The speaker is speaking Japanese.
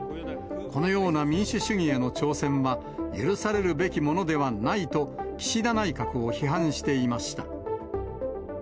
このような民主主義への挑戦は許されるべきものではないと、岸田内閣を批判していました。